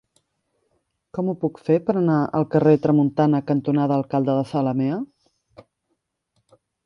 Com ho puc fer per anar al carrer Tramuntana cantonada Alcalde de Zalamea?